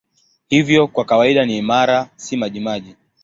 Hivyo kwa kawaida ni imara, si majimaji.